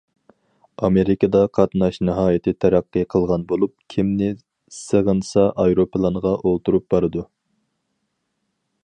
ئامېرىكىدا قاتناش ناھايىتى تەرەققىي قىلغان بولۇپ، كىمنى سېغىنسا ئايروپىلانغا ئولتۇرۇپ بارىدۇ.